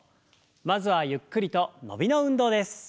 まずはゆっくりと伸びの運動です。